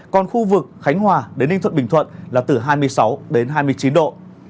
còn khu vực khánh hòa đến ninh thuận bình thuận là từ hai mươi sáu đến hai mươi chín độ